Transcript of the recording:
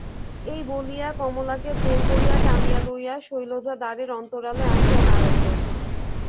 এই বলিয়া কমলাকে জোর করিয়া টানিয়া লইয়া শৈলজা দ্বারের অন্তরালে আসিয়া দাঁড়াইল।